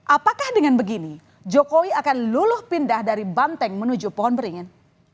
apakah dengan begini jokowi akan luluh pindah dari banteng menuju pohon beringin